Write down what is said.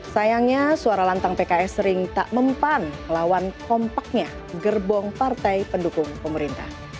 sayangnya suara lantang pks sering tak mempan lawan kompaknya gerbong partai pendukung pemerintah